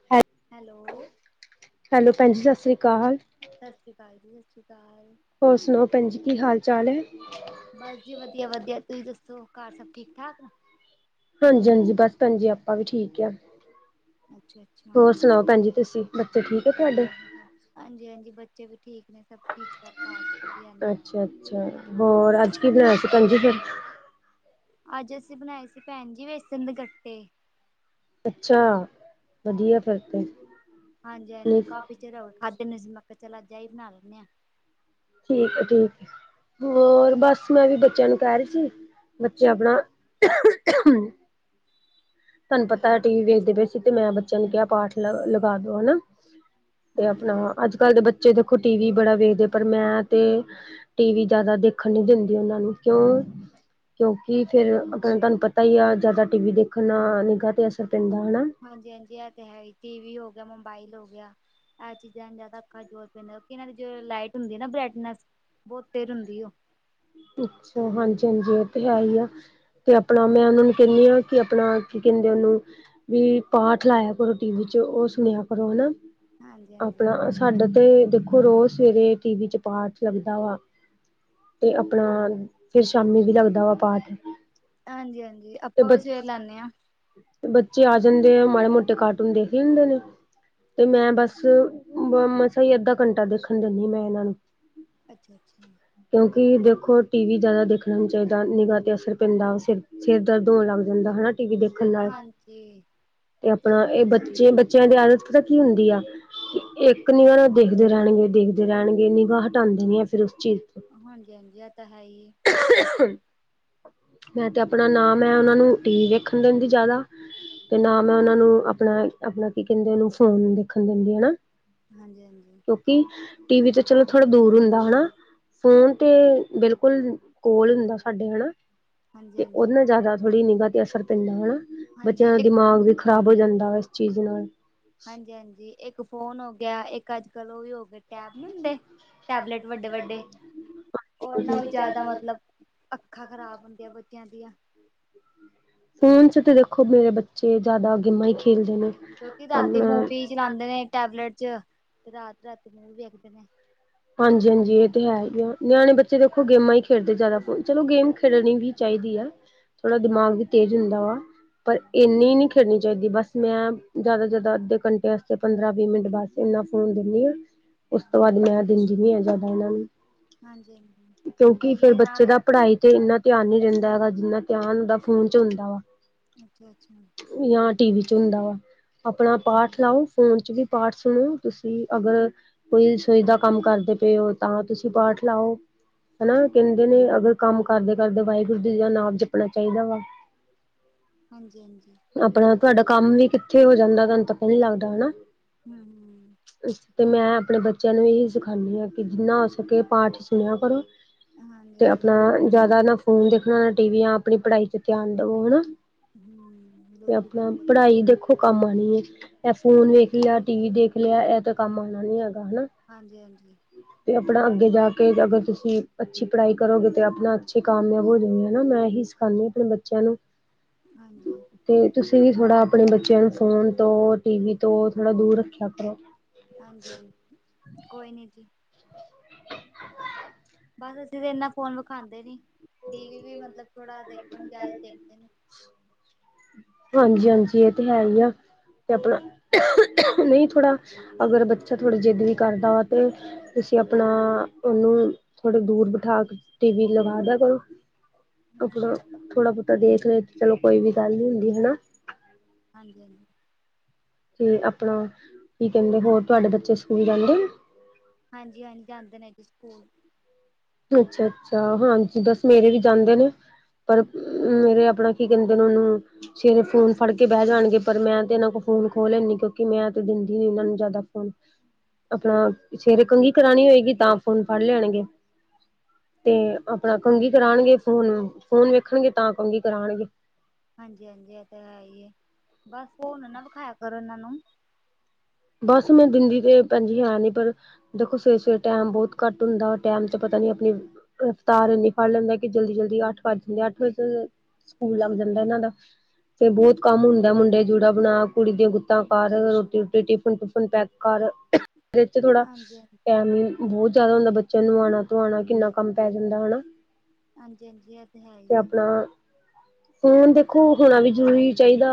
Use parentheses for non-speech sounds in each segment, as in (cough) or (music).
(unintelligible) Hello. Hello ਭੈਣਜੀ, ਸਤਿ ਸ਼੍ਰੀ ਅਕਾਲ। ਸਤਿ ਸ਼੍ਰੀ ਅਕਾਲ ਜੀ ਸਤਿ ਸ਼੍ਰੀ ਅਕਾਲ। ਹੋਰ ਸੁਣਾਓ ਭੈਣਜੀ ਕੀ ਹਾਲ ਚਾਲ ਐ। ਬਸ ਜੀ ਵਧੀਆ- ਵਧੀਆ, ਤੁਹੀਂ ਦੱਸੋ ਘਰ ਸਭ ਠੀਕ ਠਾਕ। ਹਾਂਜੀ- ਹਾਂਜੀ ਬਸ ਭੈਣਜੀ ਆਪਾਂ ਵੀ ਠੀਕ ਆ। ਅੱਛਾ ਅੱਛਾ ਹੋਰ ਸੁਣਾਓ ਭੈਣ ਜੀ ਤੁਸੀਂ। ਬੱਚੇ ਠੀਕ ਆ ਤੁਹਾਡੇ? ਹਾਂਜੀ- ਹਾਂਜੀ, ਬੱਚੇ ਵੀ ਠੀਕ ਨੇ ਸਭ ਠੀਕ ਠਾਕ ਘਾਰ ਚ ਵਧੀਆ ਨੇ। ਅੱਛਾ- ਅੱਛਾ, ਹੋਰ ਅੱਜ ਕੀ ਬਣਾਇਆ ਸੀ ਭੈਣਜੀ ਫਿਰ। ਅੱਜ ਅਸੀਂ ਬਣਾਏ ਸੀ ਭੈਣਜੀ ਵੇਸਨ ਦੇ ਗੱਟੇ। ਅੱਛਾ, ਵਧੀਆ ਫਿਰ ਤੇ। ਹਾਂਜੀ- ਹਾਂਜੀ ਠੀਕ ਕਾਫੀ ਚਿਰ ਹੋ ਗਿਆ ਖਾਦੇ ਨੀ ਸੀ, ਮੈ ਕਿਹਾ ਚੱਲ ਅੱਜ ਐਹੀ ਬਣਾ ਲੈਣੇ ਆ। ਠੀਕ ਏ ਠੀਕ ਹੋਰ ਬਸ ਮੈਂ ਵੀ ਬੱਚਿਆਂ ਨੂੰ ਕਹਿ ਰਹੀ ਸੀ, ਬੱਚੇ ਆਪਣਾ (inaudible) ਤੁਹਾਨੂੰ ਪਤਾ ਏ ਟੀ ਵੀ ਵੇਖਦੇ ਪਏ ਸੀ ਤੇ ਮੈਂ ਬੱਚਿਆਂ ਨੂੰ ਕਿਹਾ ਪਾਠ ਲ ਲਗਾ ਦੋ ਹਨਾ ਤੇ ਹਾਂਜੀ ਆਪਣਾ ਅੱਜ ਕੱਲ ਦੇ ਬੱਚੇ ਦੇਖੋ ਟੀ ਵੀ ਬੜਾ ਵੇਖਦੇ ਪਰ ਮੈਂ ਤੇ ਟੀ ਵੀ ਜ਼ਿਆਦਾ ਦੇਖਣ ਨੀ ਦਿੰਦੀ ਉਹਨਾਂ ਨੂੰ ਕਿਉਂ? ਕਿਉਂਕਿ ਫੇਰ ਅਗਰ ਤੁਹਾਨੂੰ ਪਤਾ ਈ ਆ ਜ਼ਿਆਦਾ ਟੀ ਵੀ ਦੇਖਣ ਣ ਨਾਲ ਨਿਗਾਹ ਤੇ ਅਸਰ ਪੈਂਦਾ ਹਨਾ ਹਾਂਜੀ-ਹਾਂਜੀ ਇਹ ਤੇ ਹੈ ਈ ਟੀ ਵੀ ਹੋ ਗਿਆ ਮੋਬਾਈਲ ਹੋ ਗਿਆ ਏਹ ਚੀਜ਼ਾਂ ਜ਼ਿਆਦਾ ਅੱਖਾ ਜ਼ੋਰ ਪੈਂਦਾ ਇਨਾਂ ਦੀ ਜੋ ਲਾਈਟ ਹੁੰਦੀ ਏ ਨਾ ਬਰੇਟਨੈਸ ਬਹੁਤ ਤੇਜ਼ ਹੁੰਦੀ ਓ ਅੱਛਾ ਹਾਂਜੀ-ਹਾਂਜੀ ਐਹ ਤਾਂ ਹੈਈ ਆ ਤੇ ਆਪਣਾ ਮੈਂ ਉਨਾਂ ਨੂੰ ਕਹਿਣੀ ਆ ਕਿ ਆਪਣਾ ਕੀ ਕਹਿੰਦੇ ਆ ਉਹਨੂੰ ਵੀ ਪਾਠ ਲਾਇਆ ਕਰੋ ਟੀ ਵੀ ਚ ਉਹ ਸੁਣਿਆ ਕਰੋ ਹਨਾ ਹਾਂਜੀ ਹਾਂਜੀ ਆਪਣਾ ਸਾਡਾ ਤੇ ਦੇਖੋ ਰੋਜ਼ ਸਵੇਰੇ ਟੀ ਵੀ ਚ ਪਾਠ ਲੱਗਦਾ ਵਾ ਤੇ ਆਪਣਾ, ਫੇਰ ਸ਼ਾਮੀ ਵੀ ਲੱਗਦਾ ਵਾ ਪਾਠ ਹਾਂਜੀ-ਹਾਂਜੀ ਤੇ ਆਪਾਂ ਬ ਵੀ ਸਵੇਰ ਲਾਣੈ ਆ ਬੱਚੇ ਆ ਜਾਂਦੇ ਆ ਮਾੜੇ ਮੋਟੇ ਕਾਰਟੂਨ ਦੇਖ ਲੈਂਦੇ ਨੇ ਤੇ ਮੈਂ ਹਾਂਜੀ ਬਸ ਬ ਮੈਂ ਮਸਾ ਈ ਅੱਧਾ ਘੰਟਾ ਦੇਖਣ ਦਣੀ ਮੈਂ ਇਹਨਾਂ ਨੂੰ ਅੱਛਾ, ਅੱਛਾ ਇਹ ਦੇਖੋ ਟੀ ਵੀ ਜਿਆਦਾ ਦੇਖਣਾ ਨੀ ਚਾਹੀਦਾ ਨਿਗਾਹ ਤੇ ਅਸਰ ਪੈਂਦਾ ਸਿਰ ਸਿਰ ਦਰਦ ਹੋਣ ਲੱਗ ਜਾਂਦਾ ਹਨਾ ਟੀ ਵੀ ਦੇਖਣ ਨਾਲ ਹਾਂਜੀ। ਤੇ ਆਪਣਾ ਇਹ ਬੱਚੇ ਬੱਚਿਆਂ ਦੀ ਆਦਤ ਪਤਾ ਕੀ ਹੁੰਦੀ ਆ ਇੱਕ ਨਿਗਾਹ ਨਾਲ ਦੇਖਦੇ ਰਹਿਣਗੇ ਦੇਖਦੇ ਰਹਿਣਗੇ ਨਿਗਾਹ ਹਟਾਂਦੇ ਨੀ ਆ ਫੇਰ ਉਸ ਚੀਜ਼ ਤੋਂ ਹਾਂਜੀ-ਹਾਂਜੀ ਐਹ ਤਾਂ ਹੈ ਈ ਮੈਂ ਤੇ ਆਪਣਾ ਨਾ ਮੈਂ ਉਹਨਾ ਨੂੰ ਟੀ ਵੀ ਵੇਖਣ ਦਿੰਦੀ ਜਿਆਦਾ ਤੇ ਨਾ ਮੈਂ ਉਹਨਾਂ ਨੂੰ ਆਪਣਾ ਆਪਣਾ ਕੀ ਕਹਿੰਦੇ ਉਹਨੂੰ ਫੋਨ ਦੇਖਣ ਦਿੰਦੀ ਹਨਾ ਹਾਂਜੀ-ਹਾਂਜੀ ਕਿਉਂਕਿ ਟੀਵੀਂ ਤੇ ਚਲੋ ਥੋੜਾ ਦੂਰ ਹੁੰਦਾ ਹਨਾ, ਫੋਨ ਤੇ ਬਿਲਕੁਲ ਕੋਲ ਹੁੰਦਾ ਸਾਡੇ ਹਨਾ ਤੇ ਹਾਂਜੀ-ਹਾਂਜੀ, ਹਾਂਜੀ ਹਾਂਜੀ ਉਹਦੇ ਨਾਲ ਜਿਆਦਾ ਥੋੜ੍ਹੀ ਨਿਗਾਹ ਤੇ ਅਸਰ ਪੈਂਦਾ ਹਨਾ ਹਾਂਜੀ ਬੱਚਿਆਂ ਦਾ ਇੱਕ ਦਿਮਾਗ ਵੀ ਖਰਾਬ ਹੋ ਜਾਂਦਾ ਵਾ ਇਸ ਚੀਜ਼ ਨਾਲ ਹਾਂਜੀ ਹਾਂਜੀ ਇੱਕ ਫੋਨ ਹੋ ਗਿਆ ਇੱਕ ਅੱਜ ਕੱਲ ਉਹ ਵੀ ਹੋ ਗਏ ਟੈਬ ਨੀ ਹੁੰਦੇ ਟੈਬਲੇਟ ਵੱਡੇ-ਵੱਡੇ ਉਨ੍ਹਾ ਵੀ ਜ਼ਿਆਦਾ ਮਤਲਬ ਅੱਖਾਂ ਖ਼ਰਾਬ ਹੁੰਦੀਆਂ ਬੱਚਿਆਂ ਦੀਆਂ ਫੋਨ ਚ ਤੇ ਦੇਖੋ ਮੇਰੇ ਬੱਚੇ ਜਿਆਦਾ ਗੇਮਾਂ ਹੀ ਖੇਲਦੇ ਨੇ ਕਿਉਂਕਿ ਰਾਤੀ ਮੂਵੀ ਚਲਾਂਦੇ ਨੇ ਟੈਬਲੇਟ ਚ ਤੇ ਰਾਤ ਰਾਤੀ ਮੂਵੀ ਵੇਖਦੇ ਨੇ ਹਾਂਜੀ ਹਾਂਜੀ ਇਹ ਤੇ ਹੈ ਈ ਆ ਨਿਆਣੇ ਬੱਚੇ ਦੇਖੋ ਗੇਮਾਂ ਈ ਖੇਡਦੇ ਜਿਆਦਾ ਫੋਨ ਚ ਚਲੋ ਗੇਮ ਖੇਡਣੀ ਵੀ ਚਾਈਦੀ ਆ ਥੋੜਾ ਦਿਮਾਗ ਵੀ ਤੇਜ ਹੁੰਦਾ ਵਾ ਪਰ ਇੰਨੀ ਨੀ ਖੇਡਣੀ ਚਾਹੀਦੀ ਬਸ ਮੈਂ ਜਿਆਦਾ ਜਿਆਦਾ ਅੱਧੇ ਘੰਟੇ ਵਾਸਤੇ ਪੰਦਰਾਂ ਵੀਹ ਮਿੰਟ ਬਸ ਇੰਨਾ ਫੋਨ ਦਿੰਦੀ ਆਂ ਉਸ ਤੋਂ ਬਾਦ ਮੈਂ ਦਿੰਦੀ ਨੀ ਹੈ‌ ਜਿਆਦਾ ਇਨਾਂ ਨੂੰ ਹਾਂਜੀ-ਹਾਂਜੀ। ਕਿਉਂਕਿ ਸਹੀ ਫੇਰ ਹੈ ਨਾ ਬੱਚੇ ਦਿਆ ਦਾ ਕਰੋ ਪੜ੍ਹਾਈ ਤੇ ਇੰਨਾ ਧਿਆਨ ਨੀ ਰਹਿੰਦਾ ਹੈਗਾ ਜਿੰਨਾ ਧਿਆਨ ਉਦਾ ਫੋਨ ਚ ਹੁੰਦਾ ਵਾ ਅੱਛਾ-ਅੱਛਾ ਜਾਂ ਟੀ ਵੀ ਚ ਹੁੰਦਾ ਵਾ ਆਪਣਾ ਪਾਠ ਲਾਓ ਫੋਨ ਚ ਵੀ ਪਾਠ ਸੁਣੋ ਤੁਸੀਂ ਅਗਰ ਕੋਈ ਰਸੋਈ ਦਾ ਕੰਮ ਕਰਦੇ ਪਏ ਓ ਤਾਂ ਤੁਸੀ ਪਾਠ ਲਾਓ, ਹਨਾ ਦਿਨੇ ਅਗਰ ਕੰਮ ਕਰਦੇ ਕਰਦੇ ਵਾਹਿਗੁਰੂ ਜੀ ਦਾ ਨਾਮ ਜਪਣਾ ਚਾਹੀਦਾ ਵਾ ਹਾਂਜੀ -ਹਾਂਜੀ। ਆਪਨਾ ਤੁਆਡਾ ਕੰਮ ਵੀ ਕਿੱਥੇ ਹੋ ਜਾਂਦਾ, ਤੁਆਨੂੰ ਪਤਾ ਈ ਨੀਂ ਲੱਗਦਾ ਹਨਾ। ਹਮਮ ਤੇ ਮੈਂ ਆਪਨੇ ਬੱਚੇਆਂ ਨੂੰ ਏਹੀ ਸਿਖਾਨੀ ਆਂ ਕਿ, ਜਿੰਨਾ ਹੋ ਸਕੇ ਪਾਠ ਸੁਨੇਆ ਕਰੋ। ਤੇ ਹਾਂਜੀ-ਹਾਂਜੀ, ਆਪਨਾ ਜਾਦਾ ਨਾ ਫੋਨ ਦੇਖਨਾ, ਨਾ ਟੀਵੀ ਆਪਨੀ ਪੜਾਈ ਤੇ ਧੇਆਨ ਦਵੋ, ਹਨਾ। ਹਮ ਆਪਣਾ ਪੜਾਈ ਦੇਖੋ ਕੰਮ ਆਨੀ ਏ, ਐ ਫੋਨ ਵੇਖ ਲੇਆ, ਟੀਵੀ ਦੇਖ ਲੇਆ ਐ ਤੇ ਕੰਮ ਆਨਾ ਨੀਂ ਹੈਗਾ, ਹੈਨਾ। ਹਾਂਜੀ- ਹਾਂਜੀ। ਤੇ ਆਪਣਾ ਅੱਗੇ ਜਾ ਕੇ ਅਗਰ ਤੁਸੀ ਅੱਛੀ ਪੜਾਈ ਕਰੋਗੇ, ਤੇ ਆਪਨਾ ਅੱਛੇ ਕਾਮਯਾਬ ਹੋ ਜੋਗੇ ਹੈਨਾ ਮੈਂ ਏਹੀ ਸੁ ਸਖਾਨੀ ਆਪਨੇ ਬੱਚੇਆਂ ਨੂੰ ਹਾਂਜੀ- ਹਾਂਜੀ। ਤੇ ਤੁਸੀ ਵੀ ਥੋੜਾ ਆਪਣੇ ਬੱਚੇਆਂ ਨੂੰ ਫੋਨ ਤੋਂ, ਟੀਵੀ ਤੋਂ ਥੋੜਾ ਦੂਰ ਰੱਖੇਆ ਕਰੋ। ਹਾਂਜੀ-ਹਾਂਜੀ, ਕੋਈ ਨੀਂ ਜੀ। ਬਸ, ਅਸੀਂ ਤੇ ਏਨਾ ਫੋਨ ਵਖਾਂਦੇ ਨੀਂ ਟੀਵੀ ਵੀ ਮਤਲਬ ਥੋੜਾ ਦੇਖਨ ਜਾਦਾ ਦੇਖਦੇ ਨੀਂ ਹਾਂਜੀ-ਹਾਂਜੀ ਏਹ ਤੇ ਹੈ ਈ ਆ ਤੇ ਆਪਨਾ ਨਈਂ ਥੋੜਾ ਅਗਰ ਬੱਚਾ ਥੋੜੀ ਜਿੱਦ ਵੀ ਕਰਦਾ ਤੇ ਤੁਸੀ ਆਪਨਾ ਓਨੂੰ ਥੋੜੀ ਦੂਰ ਬਠਾ ਕੇ ਟੀਵੀ ਲਗਾ ਦੇਆ ਕਰੋ। ਆਪਨਾ ਹਾਂਜੀ ਥੋੜਾ ਬੌਤਾ ਦੇਖ ਲੇ, ਚਲੋ ਕੋਈ ਵੀ ਗੱਲ ਨੀ ਹੁੰਦੀ, ਹੈਨਾ ਹਾਂਜੀ -ਹਾਂਜੀ। ਤੇ ਆਪਣਾ ਕੀ ਕੈੰਦੇ, ਹੋਰ ਤੁਆਡੇ ਬੱਚੇ ਸਕੂਲ ਜਾਂਦੇ ਨ? ਹਾਂਜੀ-ਹਾਂਜੀ, ਜਾਂਦੇ ਨੇ ਜੀ ਸਕੂਲ। ਅੱਛਾ-ਅੱਛਾ, ਹਾਂਜੀ ਬਸ ਮੇਰੇ ਵੀ ਜਾਂਦੇ ਨੇ। ਪਰ ਮੇਰੇ ਆਪਣਾ ਕੀ ਕੈੰਦੇ ਨ ਓਨੂੰ ਸਵੇਰੇ ਫੋਨ ਫੜ ਕੇ ਬੈਹ ਜਾਣਗੇ। ਪਰ ਮੈਂ ਤੇ ਇਨਾਂ ਕੋ ਫੋਨ ਖੋਹ ਲੈਂਨੀ ਕਿਉਂਕਿ ਮੈਂ ਤੇ ਦਿੰਦੀ ਨੀਂ ਇਨਾਂ ਨੂੰ ਜਾਦਾ ਫੋਨ। ਆਪਣਾ ਸਵੇਰੇ ਕੰਗੀ ਕਰਾਨੀ ਹੋਏਗੀ ਤਾਂ ਫੋਨ ਫੜ ਲੈਣਗੇ। ਤੇ ਆਪਣਾ ਕੰਗੀ ਕਰਾਣਗੇ ਫੋਨ, ਫੋਨ ਵੇਖਣਗੇ ਤਾਂ ਕੰਗੀ ਕਰਾਣਗੇ। ਹਾਂਜੀ- ਹਾਂਜੀ ਏ ਤੇ, ਹੈ ਈ ਏ ਬਸ ਫੋਨ ਨਾ ਵਖਾਏਆ ਕਰੋ ਏਨਾਂ ਨੂੰ। ਬਸ ਮੈਂ ਦਿੰਦੀ ਤੇ ਭੈਂਜੀ ਹੈ ਨੀਂ ਪਰ ਦੇਖੋ, ਸਵੇਰੇ- ਸਵੇਰੇ ਟੈਮ ਬੋਤ ਘੱਟ ਹੁੰਦਾ ਟੈਮ ਤੇ ਪਤਾ ਨੀਂ ਆਪਨੀ ਰਫਤਾਰ ਏਨੀ ਫੜ ਲੈਂਦਾ ਕਿ ਜਲਦੀ- ਜਲਦੀ ਅੱਠ ਵੱਜ ਜਾਂਦੇ, ਅੱਠ ਵਜ ਸਕੂਲ ਲੱਗ ਜਾਂਦਾ ਏਨਾਂ ਦਾ। ਫੇਰ ਬੌਤ ਕੰਮ ਹੁੰਦਾ, ਮੁੰਡੇ ਜੂੜਾ ਬਨਾ, ਕੁੜੀ ਦੀਆਂ ਗੁੱਤਾਂ ਕਰ ਰੋਟੀ- ਰੁਟੀ ਟਿ ਟਿਫਨ -ਟੁਫਨ ਪੈਕ ਕਰ ਵਿੱਚ ਥੋੜਾ ਹਾਂਜੀ ਬੌਤ ਜਾਦਾ ਹੁੰਦਾ ਬੱਚੇਆਂ ਨੂੰ ਨਵਾਣਾਂ- ਤਵਾਣਾ ਕਿੰਨਾ ਕੰਮ ਪੈ ਜਾਂਦਾ, ਹਨਾ। ਹਾਂਜੀ -ਹਾਂਜੀ ਏ ਤੇ ਹੈ ਈ ਐ। ਫੋਨ ਦੇਖੋ ਹੋਨਾ ਵੀ ਜਰੂਰੀ ਚਾਈਦਾ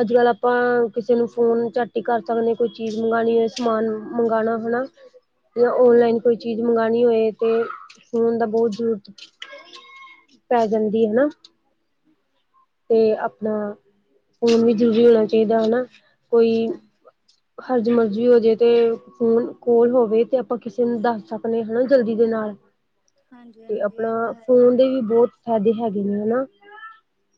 ਅੱਜ- ਕੱਲ ਆਪਾਂ ਕਿਸੇ ਨੂੰ ਫੋਨ ਝੱਟ ਈ ਕਰ ਸਕਨੇ ਕੋਈ ਚੀਜ਼ ਮੰਗਾਣੀ ਏ ਸਮਾਨ ਮੰਗਾਣਾ ਹਨਾ ਯਾ ਓਨਲਾਈਨ ਕੋਈ ਚੀਜ ਮੰਗਾਣੀ ਹੋਏ ਤੇ ਫੋਨ ਦਾ ਬੋਤ ਜਰੂਰਤ (inaudible) ਪੈ ਜਾਂਦੀ, ਹੈਨਾ। ਤੇ ਆਪਨਾ ਫੋਨ ਵੀ ਜ਼ਰੂਰੀ ਹੋਨਾ ਚਾਈਦਾ ਹੈਨਾ, ਕੋਈ ਹਰਜ-ਮਰਜ ਹੋ ਜੇ ਤੇ ਫੋਨ ਕੋਲ ਹੋਵੇ ਤੇ ਆਪਾਂ ਕਿਸੇ ਨੂੰ ਦੱਸ ਸਕਨੇ ਹਨਾ ਜਲਦੀ ਦੇ ਨਾਲ। ਹਾਂਜੀ ਤੇ ਹਾਂਜੀ ਇਹ ਆਪਣਾ ਤਾਂ ਹੈ ਹੀ ਫੋਨ ਹੈ ਦੇ ਵੀ ਬੌਤ ਫੈਦੇ ਹੈਗੇ ਨੇ, ਹੈਨਾ।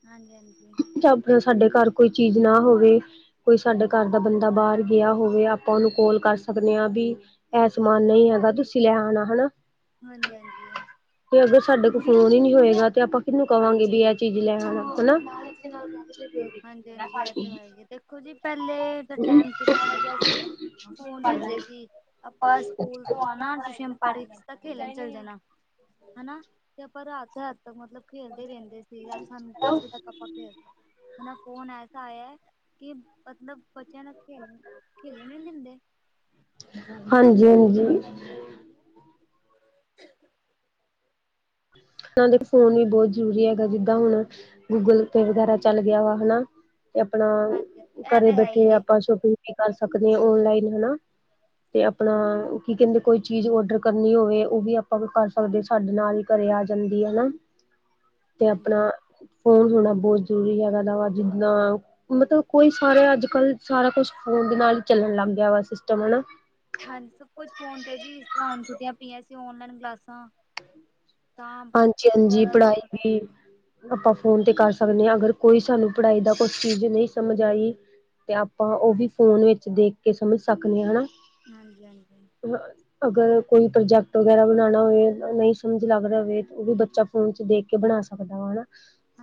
ਹਾਂਜੀ- ਹਾਂਜੀ ਚਬ, ਤੇ ਸਾਡੇ ਘਰ ਕੋਈ ਚੀਜ਼ ਨਾ ਹੋਵੇ ਕੋਈ ਸਾਡੇ ਘਰ ਦਾ ਬੰਦਾ ਬਾਹਰ ਗਿਆ ਹੋਵੇ, ਆਪਾਂ ਉਹਨੂੰ ਕੋਲ ਕਰ ਸਕਦੇ ਆਂ ਵੀ ਐਹ ਸਮਾਨ ਨਹੀਂ ਹੈਗਾ, ਤੁਸੀਂ ਲੈ ਆਉਣਾ ਹਨਾ ਹਾਂਜੀ-ਹਾਂਜੀ -ਹਾਂਜੀ ਤੇ ਅਗਰ ਸਾਡੇ ਕੋਲ ਫੋਨ ਹੀ ਨਹੀਂ ਹੋਏਗਾ, ਤੇ ਆਪਾਂ ਕਿਹਨੂੰ ਕਹਾਂਗੇ ਵੀ ਐਹ ਚੀਜ਼ ਲੈ ਆਣਾ, ਹਨਾ। ਹਾਂਜੀ-ਹਾਂਜੀ ਐਹ ਤਾਂ ਹੈ ਹੀ, ਦੇਖੋ ਜੀ ਪਹਿਲੇ ਦਾ ਟੈਮ ਕਿੰਨਾ ਵਧਿਆ ਸੀ। ਫੋਨ ਨੀ ਹੁੰਦੇ ਸੀ, ਆਪਾਂ ਸਕੂਲ ਤੋਂ ਆਣਾ ਟਿਊਸ਼ਨ ਪੜ੍ਹ, ਸਿੱਧਾ ਖੇਲਣ ਚੱਲ ਜਾਣਾ। ਹਨਾ, ਤੇ ਆਪਾਂ ਰਾਤ- ਰਾਤ ਤੱਕ ਮਤਲਬ ਖੇਲਦੇ ਰਹਿੰਦੇ ਸੀ, ਸਾਨੂੰ ਦਸ ਵਜੇ ਤੱਕ ਆਪਾਂ ਖੇਲ ਹੁਣ ਏ ਫੋਨ ਐਸਾ ਆਇਆ, ਕਿ ਮਤਲਬ ਬੱਚਿਆਂ ਨਾ ਖੇਲਣ, ਖੇਡਣ ਨਈ ਦਿੰਦੇ ਹਾਂਜੀ-ਹਾਂਜੀ। ਹੁਣ ਦੇਖੋ, ਫੋਨ ਵੀ ਬਹੁਤ ਜ਼ਰੂਰੀ ਹੈਗਾ ਜਿੱਦਾਂ ਹੁਣ ਗੂਗਲ ਪੇ ਵਗੈਰਾ ਚੱਲ ਗਿਆ, ਹਨਾ। ਤੇ ਆਪਣਾ, ਹਾਂਜੀ ਇਹ ਘਰੇ ਤਾਂ ਹੈ ਹੀ ਬੈਠੇ ਹੈ ਆਪਾਂ ਸ਼ੋਪਿੰਗ ਵੀ ਕਰ ਸਕਦੇ, ਔਨਲਾਈਨ ਹਨਾ। ਤੇ ਆਪਣਾ, ਕੀ ਕਹਿੰਦੇ ਕੋਈ ਚੀਜ਼ ਔਡਰ ਕਰਨੀ ਹੋਵੇ, ਉਹ ਵੀ ਆਪਾਂ ਕਰ ਸਕਦੇ ਸਾਡੇ ਨਾਲ ਘਰੇ ਆ ਜਾਂਦੀ ਹਨਾ, ਤੇ ਹਾਂਜੀ ਆਪਣਾ ਫ਼ੋਨ ਹੋਣਾ ਬਹੁਤ ਜ਼ਰੂਰੀ ਹੈਗਾ, ਨਵਾਂ ਵਾ ਜਿਦਾਂ। ਮਤਲਬ ਕੋਈ ਸਾਰੇ ਅੱਜ- ਕੱਲ, ਸਾਰਾ ਕੁਛ ਫੋਨ ਦੇ ਨਾਲ ਹੀ ਚੱਲਣ ਲੱਗ ਗਿਆ ਵਾ ਸਿਸਟਮ ਹਨਾ। ਹਾਂਜੀ ਸਭ ਕੁਛ ਫੋਨ ਤੇ ਜੀ, ਜਿਸ ਤਰਾਂ ਹੁਣ ਛੁੱਟੀਆਂ ਪਈਆਂ ਸੀ, ਔਨਲਾਈਨ ਕਲਾਸਾਂ ਤਾਂ ਬ ਹਾਂਜੀ ਹਾਂਜੀ ਜਿਆਦਾ ਪੜ੍ਹਾਈ ਦੇਖਣ ਲੱਗ ਵੀ ਪਏ। ਆਪਾਂ ਫੋਨ ਤੇ ਕਰ ਸਕਦੇ ਆਂ, ‌ਅਗਰ ਕੋਈ ਸਾਨੂੰ ਪੜ੍ਹਾਈ ਦਾ ਕੋਈ ਚੀਜ਼ ਨੀ ਸਮਝ ਆਈ। ਤੇ ਆਪਾਂ ਉਹ ਵੀ ਫੋਨ ਵਿੱਚ ਦੇਖ ਕੇ ਸਮਝ ਸਕਦੇ ਆਂ ਹਨਾ। ਹਾਂਜੀ-ਹਾਂਜੀ। ਅ ਅਗਰ ਕੋਈ ਪ੍ਰੋਜੈਕਟ ਵਗੈਰਾ ਬਣਾਉਣਾ ਹੋਵੇ, ਨਹੀਂ ਸਮਝ ਲੱਗ ਰਿਹਾ ਹੋਵੇ। ਤੇ ਉਹ ਵੀ ਬੱਚਾ ਫੋਨ 'ਚ ਦੇਖ ਕੇ ਬਣਾ ਸਕਦਾ ਵਾ ਹਨਾ।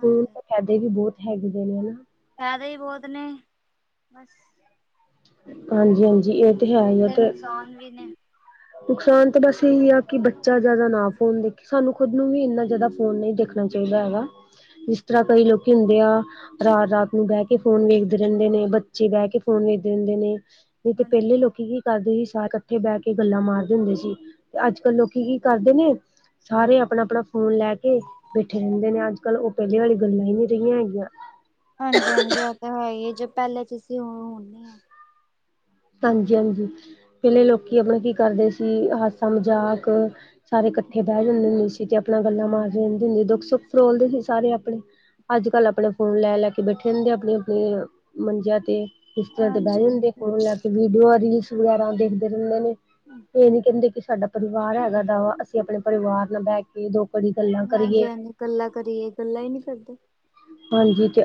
ਫੋਨ ਫਾਇਦੇ ਵੀ ਬਹੁਤ ਹੈਗੇ ਨੇ ਨਾ। ਫੈਦੇ ਹੀ ਬਹੁਤ ਨੇ ਬਸ। ਹਾਂਜੀ-ਹਾਂਜੀ, ਇਹ ਤੇ ਹੈ ਹੀ ਅਗਰ ਨੁਕਸਾਨ ਵੀ ਨੇ ਨੁਕਸਾਨ ਤਾਂ ਬਸ ਇਹੀ ਆ ਕਿ ਬੱਚਾ ਜ਼ਿਆਦਾ ਨਾ ਫੋਨ ਦੇਖੇ, ਸਾਨੂੰ ਖੁਦ ਨੂੰ ਵੀ ਇੰਨਾ ਜ਼ਿਆਦਾ ਫੋਨ ਨਹੀਂ ਦੇਖ ਦੇਖਣਾ ਚਾਹੀਦਾ ਹੈਗਾ, ਜਿਸ ਤਰ੍ਹਾਂ ਕਈ ਲੋਕੀ ਹੁੰਦੇ ਆ। ਰਾਤ-ਰਾਤ ਨੂੰ ਬਹਿ ਕੇ ਫੋਨ ਵੇਖਦੇ ਰਹਿੰਦੇ ਨੇ, ਬੱਚੇ ਬਹਿ ਕੇ ਫੋਨ ਵੇਖ। ਦਿੰਦੇ ਨੇ, ਨਹੀਂ ਤੇ ਹਾਂਜੀ। ਪਹਿਲੇ ਲੋਕ ਲੋਕੀ ਕੀ ਕਰਦੇ ਸੀ ਸਾ ਇਕੱਠੇ ਬਹਿ ਕੇ ਗੱਲਾਂ ਮਾਰਦੇ ਹੁੰਦੇ ਸੀ, ਤੇ ਅੱਜ-ਕੱਲ ਲੋਕੀ ਕੀ ਕਰਦੇ ਨੇ ਸਾਰੇ ਆਪਨਾ-ਆਪਨਾ ਫੋਨ ਲੈ ਕੇ ਬੈਠੇ ਰਹਿੰਦੇ ਨੇ ਅੱਜ- ਕੱਲ, ਉਹ ਪਹਿਲੇ ਵਾਲੀ ਗੱਲਾਂ ਹੀ ਨਹੀਂ ਰਹੀਆਂ ਹੈਗੀਆਂ। ਹਾਂਜੀ-ਹਾਂਜੀ ਉਹ ਤਾਂ ਹੈ ਹੀ, ਜੋ ਪਹਿਲੇ 'ਚ ਸੀਂ ਉਹ ਹੁਣ ਨਈ ਆ। (inaudible) ਹਾਂਜੀ-ਹਾਂਜੀ, ਪਹਿਲੇ ਲੋਕੀ ਆਪਨਾ ਕੀ ਕਰਦੇ ਸੀ ਹਾਸਾ- ਮਜ਼ਾਕ ਸਾਰੇ ਇਕੱਠੇ ਬਹਿ ਹੂੰ। ਜਾਂਦੇ ਹੁੰਦੇ ਸੀ ਤੇ ਆਪਣਾ ਗੱਲਾਂ ਮਾਰਦੇ ਰਹਿੰਦੇ, ਦੁੱਖ-ਸੁੱਖ ਫਰੋਲਦੇ ਸੀ ਸਾਰੇ ਆਪਣੇ, ਅੱਜ- ਕੱਲ ਆਪਣੇ ਫੋਨ ਲੈ-ਲੈ ਕੇ ਬੈਠੇ ਰਹਿੰਦੇ, ਆਪਣੀ-ਆਪਣੀ ਮੰਜਿਆਂ ਤੇ, ਬਿਸਤਰਿਆ ਤੇ ਹਾਂਜੀ ਬਹਿ ਜਾਂਦੇ ਹਾਂਜੀ ਫੋਨ ਲੈ ਕੇ ਵੀਡੀਓ ਰੀਲਸ ਵਗੈਰਾ ਦੇਖਦੇ ਰਹਿੰਦੇ ਨੇ, ਇਹ ਨੀ ਕਹਿੰਦੇ ਕਿ ਸਾਡਾ ਪਰਿਵਾਰ ਹੈਗਾ ਦਾ ਵਾ। ਕੀ ਆਪਣੇ ਪਰਿਵਾਰ ਨਾਲ ਬਹਿ ਕੇ, ਦੋ-ਘੜੀ ਦੀ ਗੱਲਾਂ ਹਾਂਜੀ ਕਰੀਏ। ਹਾਂਜੀ ਗੱਲਾਂ ਕਰੀਏ, ਗੱਲਾਂ ਨਹੀ ਕਰਦੇ। ਹਾਂਜੀ ਤੇ,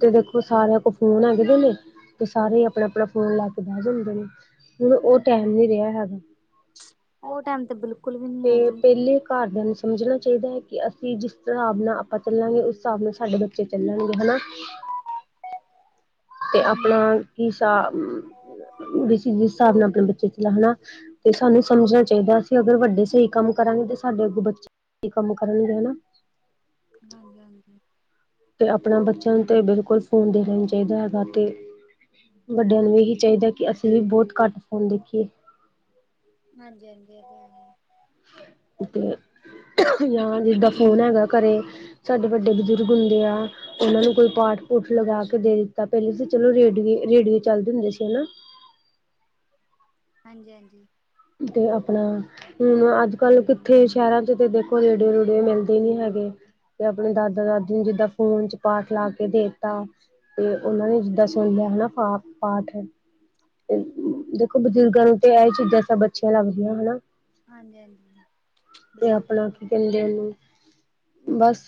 ਤੇ ਦੇਖੋ ਸਾਰਿਆਂ ਕੋਲ ਫੋਨ ਹੈਗੇਦੇ ਨੇ। ਤੇ ਸਾਰੇ ਹੀ ਆਪਨਾ-ਆਪਨਾ ਫੋਨ ਲੈ ਕੇ ਬੈ ਜਾਂਦੇ ਨੇ। ਹੁਣ ਉਹ ਟਾਈਮ ਨੀ ਹੂੰ-ਹੂੰ, ਰਿਹਾ ਹੈਗਾ ਓ ਟੈਮ ਤੇ ਬਿਲ ਤੇ ਪੇਲੇ ਘਰਦੇਆਂ ਨੂੰ ਸਮਜਨਾ ਚਾਈਦਾ ਐ ਕੇ ਅਸੀਂ ਜਿਸ ਸਾਬ ਨਾਲ ਆਪਾਂ ਚੱਲਾਂਗੇ ਉਸ ਸਾਬ ਨਾਲ ਸਾਡੇ ਬੱ ਬੱਚੇ ਚੱਲਨਗੇ ਹਨਾ। ਤੇ ਆਪਨਾ ਹੂੰ ਕਿਸ ਜਿਸ ਸਾਬ ਨਾਲ ਆਪਨਾ ਬੱਚੇ ਚ ਹਨਾ ਤੇ ਸਾਨੂੰ ਸਮਜਨਾ ਚਾਈਦਾ ਅਸੀਂ ਅਗਰ ਵੱਡੇ ਸਈ ਕੰਮ ਕਰਾਂਗੇ ਤੇ ਸਾਡੇ ਅੱਗੇ ਬੱਚੇ ਕੀ ਕੰਮ ਕਰਨਗੇ ਹਨਾ। ਹਾਂਜੀ-ਹਾਂਜੀ। ਤੇ ਆਪਨਾ ਬੱਚੇਆਂ ਨੂੰ ਤੇ ਬਿਲਕੁਲ ਫੋਨ ਦੇ ਦੇਨਾ ਈ ਨੀ ਚਾਈਦਾ ਰਾਤੀ। ਵੱਡੇਆਂ ਨੂੰ ਏਹੀ ਚਾਈਦਾ ਕੇ ਅਸੀਂ ਵੀ ਬੋਤ ਘੱਟ ਫੋਨ ਦੇਖੀਏ। ਹਾਂਜੀ-ਹਾਂਜੀ ਏ ਤਾਂ ਹੈ। ਤੇ ਜਾਂ ਜਿੱਦਾਂ ਫੋਨ ਹੈਗਾ ਘਰੇਂ ਸਾਡੇ ਵੱਡੇ ਬਜ਼ੁਰਗ ਹੁੰਦੇ ਆ। ਓਨਾਂ ਨੂੰ ਕੋਈ ਪਾਠ ਪੂਠ ਲਗਾ ਕੇ ਦੇ ਦਿੱਤਾ ਪੈਲੇ ਤਾਂ ਚਲੋ ਰੇਡੀਓ-ਰੇਡੀਓ ਚੱਲਦੇ ਹੁੰਦੇ ਸੀ ਹਨਾ। ਹਾਂਜੀ-ਹਾਂਜੀ। ਤੇ ਆਪਨਾ ਹੁਨ ਅੱਜ-ਕੱਲ ਕਿੱਥੇ ਸੈਰਾਂ ਚ ਤੇ ਦੇਖੋ ਰੇਡੀਓ ਰੂਡੀਓ ਮਿਲਦੇ ਨੀ ਹੈਗੇ। ਤੇ ਆਪਨੇ ਦਾਦਾ ਦਾਦੀ ਨੂੰ ਜਿੱਦਾਂ ਫੋਨ ਚ ਪਾਠ ਲਾ ਕੇ ਦੇਤਾ ਤੇ ਓਨਾਂ ਨੇ ਜਿੱਦਾਂ ਸੁਨ ਲੇਆ ਹਨਾ ਪਾ ਪਾਠ ਤੇ ਦੇਖੋ ਬਜ਼ੁਰਗਾਂ ਨੂੰ ਤੇ ਐ ਚੀਜ਼ਾਂ ਸਭ ਅੱਛੀਆਂ ਲੱਗਦੀਆਂ ਹਨਾ। ਹਾਂਜੀ ਹਾਂਜੀ ਤੇ ਬਿਲਕੁਲ ਆਪਨਾ ਬਿਲਕੁਲ ਕੀ ਕੈਂਦੇ ਓਨੂੰ ਬਸ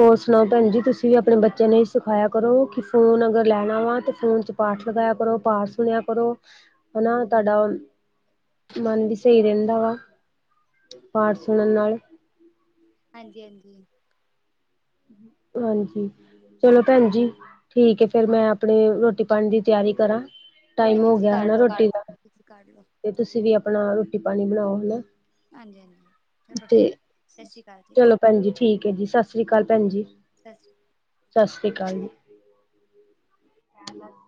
ਹੋਰ ਸੁਨਾਓ ਭੈਨ ਜੀ ਤੁਸੀਂ ਵੀ ਆਪਨੇ ਬੱਚਿਆਂ ਨੂੰ ਏਈ ਸਿਖਾਇਆ ਕਰੋ ਕੀ ਫੋਨ ਅਗਰ ਲੈਨਾ ਵਾ ਤੇ ਫੋਨ ਚ ਪਾਠ ਲਗਾਇਆ ਕਰੋ ਪਾਠ ਸੁਨੇਆ ਕਰੋ, ਹਨਾ ਤਾਡਾ ਮਨ ਵੀ ਸਈ ਰੈਂਦਾ ਵਾ, ਪਾਠ ਸੁਨਨ ਨਾਲ। ਹਾਂਜੀ-ਹਾਂਜੀ। ਹਾਂਜੀ। ਚਲੋ ਭੈਨ ਜੀ ਠੀਕ ਏ ਫੇਰ ਮੈਂ ਆਪਨੇ ਰੋਟੀ ਪਾਨੀ ਦੀ ਤਿਆਰੀ ਕਰਾਂ। ਟਾਈਮ ਹੋ ਗੇਆ ਹਨਾ ਰੋਟੀ ਦਾ ਤੁਸੀਂ ਕੱਢ ਲੋ ਤੇ ਤੁਸੀਂ ਵੀ ਆਪਨਾ ਰੋਟੀ ਪਾਨੀ ਬਨਾਓ ਹਨਾ। ਹਾਂਜੀ-ਹਾਂਜੀ। ਤੇ, ਚਲੋ ਭੈਨ ਜੀ ਠੀਕ ਐ ਜੀ ਸਾਸਰੀ ਕਾਲ ਭੈਨ ਜੀ। ਸਸੀ- ਸਾਸਰੀ ਕਾਲ ਜੀ। (inaudible)